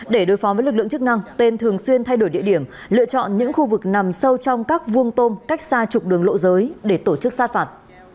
để đối phó với lực lượng chức năng tên thường xuyên thay đổi địa điểm lựa chọn những khu vực nằm sâu trong các vuông tôm cách xa chục đường lộ giới để tổ chức sát phạt